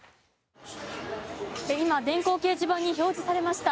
今電光掲示板に表示されました。